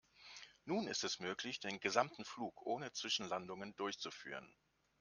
Nun ist es möglich, den gesamten Flug ohne Zwischenlandungen durchzuführen.